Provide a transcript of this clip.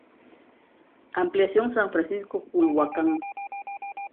Ampliación San Francisco Culhuacán.